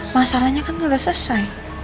masalahnya kan udah selesai